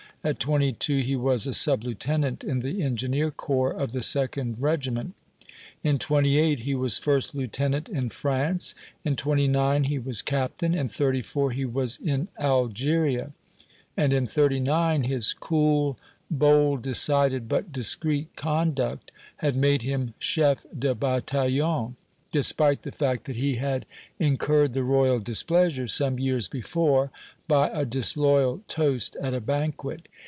At twenty two he was a sub lieutenant in the engineer corps of the second regiment. In '28 he was first lieutenant in France; in '29 he was captain; in '34 he was in Algeria; and, in '39, his cool, bold, decided but discreet conduct had made him chef de bataillon, despite the fact that he had incurred the Royal displeasure some years before by a disloyal toast at a banquet.